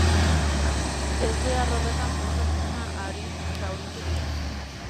Ezbehar horretan, bi pertsona arin zauritu dira.